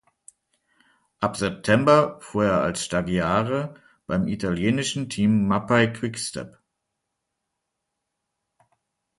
Ab September fuhr er als Stagiaire beim italienischen Team Mapei-Quick Step.